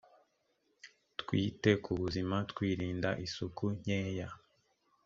twite ku buzima twirind aisuku nkeya